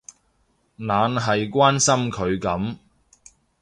懶係關心佢噉